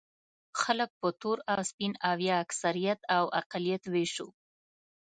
خلک په تور او سپین او یا اکثریت او اقلیت وېشو.